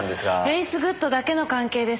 フェイスグッドだけの関係です。